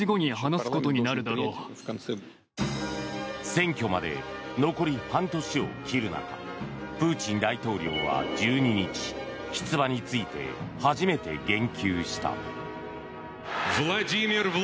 選挙まで残り半年を切る中プーチン大統領は１２日出馬について初めて言及した。